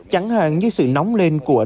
chẳng hạn như sự nóng lên của ảnh